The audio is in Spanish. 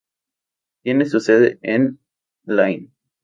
Tiene su sede en Lynn.